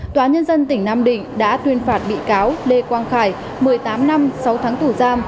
tòa nhân dân tỉnh nam định đã tuyên phạt bị cáo lê quang khải một mươi tám năm sáu tháng tù giam